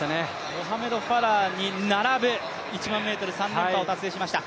モハメド・ファラーに並ぶ１００００ｍ３連覇を達成しました。